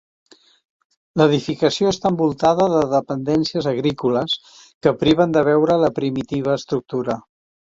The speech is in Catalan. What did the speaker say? L'edificació està envoltada de dependències agrícoles que priven de veure la primitiva estructura.